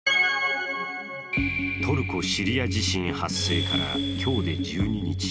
トルコ・シリア地震発生から今日で１２日。